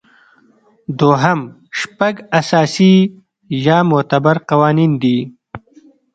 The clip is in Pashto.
دوهم شپږ اساسي یا معتبر قوانین دي.